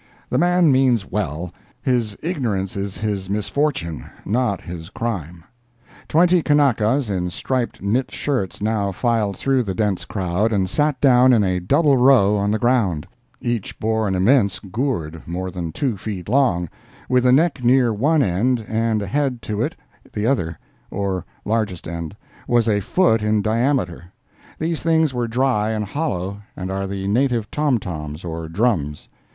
The man means well; his ignorance is his misfortune—not his crime. Twenty Kanakas in striped knit shirts now filed through the dense crowd and sat down in a double row on the ground; each bore an immense gourd, more than two feet long, with a neck near one end and a head to it the outer, or largest end, was a foot in diameter; these things were dry and hollow, and are the native tom toms or drums.